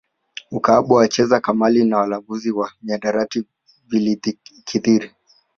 Ukahaba wacheza kamali na walanguzi wa mihadarati vilikithiri